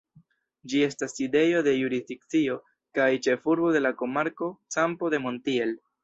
Ĝi estas sidejo de jurisdikcio kaj ĉefurbo de la komarko Campo de Montiel.